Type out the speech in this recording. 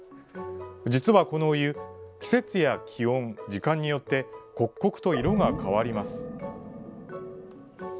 実は、このお湯季節や気温、時間によって刻々と色が変わります。